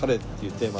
テーマ。